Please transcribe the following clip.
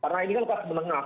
karena ini kan pas menengah